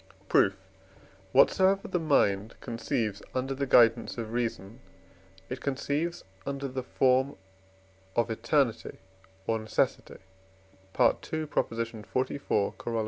Proof. Whatsoever the mind conceives under the guidance of reason, it conceives under the form of eternity or necessity (II. xliv. Coroll.